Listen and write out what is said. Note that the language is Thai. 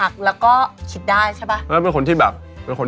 กลับมาที่ไหน